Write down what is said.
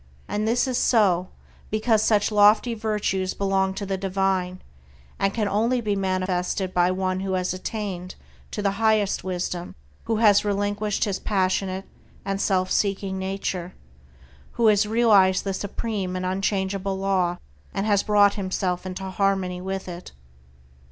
And this is so because such lofty virtues belong to the Divine, and can only be manifested by one who has attained to the highest wisdom, who has relinquished his passionate and self seeking nature, who has realized the supreme and unchangeable Law, and has brought himself into harmony with it.